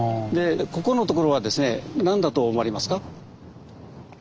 ここのところはですね何だと思われますか？